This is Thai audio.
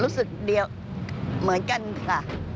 รู้สึกเดียวเหมือนกันค่ะ